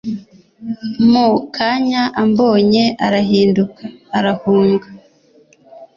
Mu kanya ambonye arahinduka arahunga